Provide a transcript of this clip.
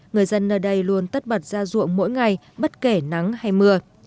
người dân nơi đây luôn tất bật ra ruộng mỗi ngày bất kể nắng hay mưa